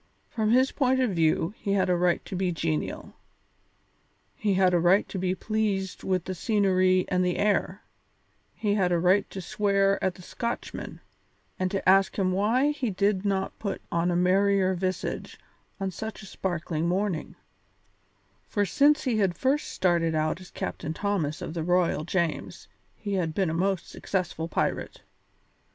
From his point of view he had a right to be genial; he had a right to be pleased with the scenery and the air; he had a right to swear at the Scotchman, and to ask him why he did not put on a merrier visage on such a sparkling morning, for since he had first started out as Captain Thomas of the Royal James he had been a most successful pirate.